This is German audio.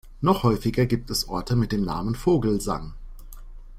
Noch häufiger gibt es Orte mit dem Namen Vogelsang.